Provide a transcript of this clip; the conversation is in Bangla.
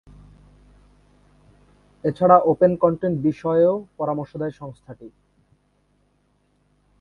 এছাড়া ওপেন কন্টেন্ট বিষয়েও পরামর্শ দেয়া সংস্থাটি।